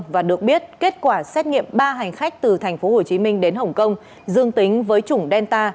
và được biết kết quả xét nghiệm ba hành khách từ tp hcm đến hồng kông dương tính với chủng delta